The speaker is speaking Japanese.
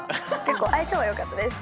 結構相性はよかったです。